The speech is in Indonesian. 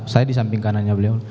saya di samping kanannya beliau